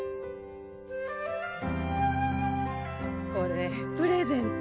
これプレゼント